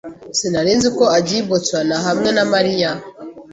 Sinari nzi ko agiye i Boston hamwe na Mariya.